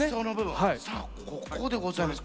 さあここでございます。